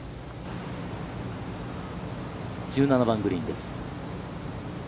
１７番グリーンです。